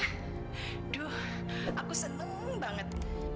aduh aku seneng banget